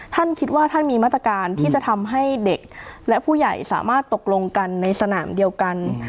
ท่านคิดว่าท่านมีมาตรการที่จะทำให้เด็กและผู้ใหญ่สามารถตกลงกันในสนามเดียวกัน